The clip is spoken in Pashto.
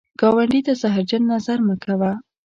ګاونډي ته زهرجن نظر مه کوه